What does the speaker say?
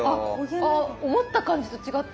あ思った感じと違った。